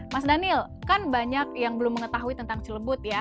mas daniel kan banyak yang belum mengetahui tentang celebut ya